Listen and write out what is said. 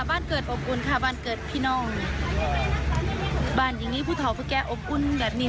บ้านเกิดอบอุ่นค่ะบ้านเกิดพี่น้องบ้านอย่างงี้ผู้เท่าผู้แก่อบอุ่นแบบนี้